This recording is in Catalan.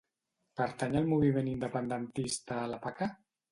Pertany al moviment independentista la Paca?